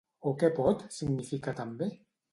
O què pot significar també?